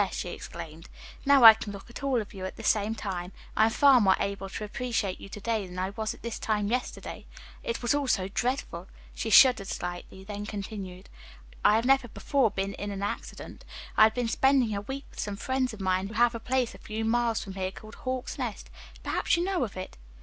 she exclaimed. "Now I can look at all of you at the same time. I am far more able to appreciate you to day than I was at this time yesterday. It was all so dreadful," she shuddered slightly, then continued. "I have never before been in an accident. I had been spending a week with some friends of mine who have a place a few miles from here called 'Hawk's Nest.' Perhaps you know of it?"